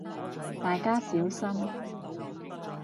大家小心